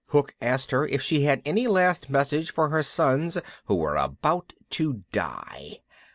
Hook asked her if she had any last message for her sons who were about to die.